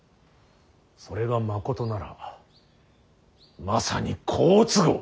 それがまことならばまさに好都合。